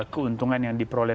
keuntungan yang diperoleh